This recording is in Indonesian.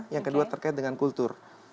yang kedua terkait dengan kultur